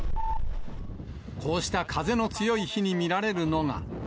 こうした風の強い日に見られるのが。